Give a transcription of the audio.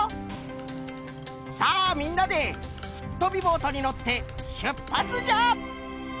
さあみんなで「フットびぼート」にのってしゅっぱつじゃ！